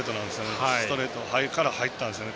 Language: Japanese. ストレートから入ったんですよね。